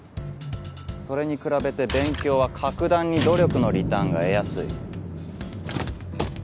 それに比べて勉強は格段に努力のリターンが得やすい。